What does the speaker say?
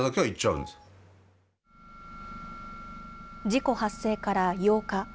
事故発生から８日。